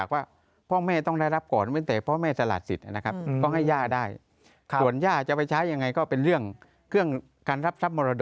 การรับทรัพย์มรดกนะครับ